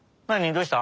どうした？